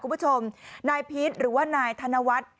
คุณผู้ชมนายพีชหรือว่านายธนวัฒน์